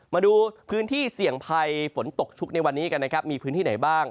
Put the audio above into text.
มาดูพื้นที่เสี่ยงภัยฝนตกชุกในวันนี้กันนะครับมีพื้นที่ไหนบ้าง